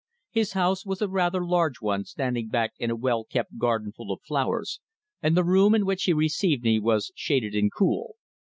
His house was a rather large one standing back in a well kept garden full of flowers, and the room in which he received me was shaded and cool.